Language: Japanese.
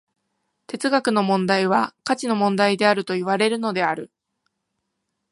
哲学の問題は価値の問題であるといわれるのである。